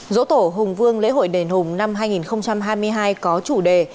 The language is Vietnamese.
dỗ tổ hùng vương lễ hội đền hùng năm hai nghìn hai mươi hai có chủ đề